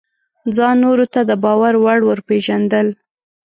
ځان نورو ته د باور وړ ورپېژندل: